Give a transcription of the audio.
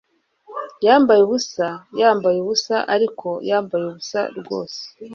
Yambaye ubusa yambaye ubusa ariko yambaye ubusa rwose